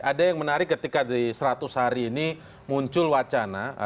ada yang menarik ketika di seratus hari ini muncul wacana